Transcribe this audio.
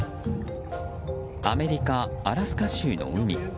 アメリカ・アラスカ州の海。